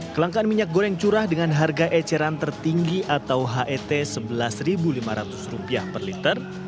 kelangkaan minyak goreng curah dengan harga eceran tertinggi atau het rp sebelas lima ratus per liter